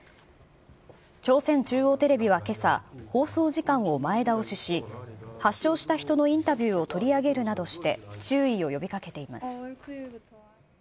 朝鮮中央テレビはけさ、放送時間を前倒しし、発症した人のインタビューを取り上げるなどして、注意を呼びかけています。